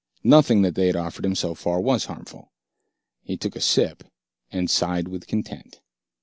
Nothing that they had offered him so far was harmful. He took a sip and sighed with content.